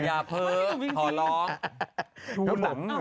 อย่าเพ้อขอร้อง